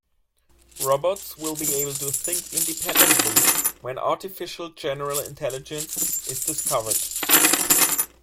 Robots will be able to think independently when Artificial General Intelligence is discovered.